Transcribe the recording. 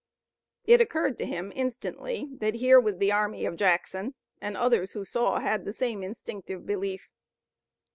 It occurred to him instantly that here was the army of Jackson, and others who saw had the same instinctive belief.